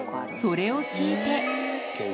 それを聞いて。